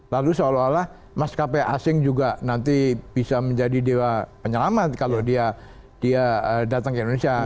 lalu seolah olah maskapai asing juga nanti bisa menjadi dewa penyelamat kalau dia datang ke indonesia